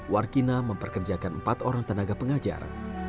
warkina memperkerjakan empat orang tenaga pengajar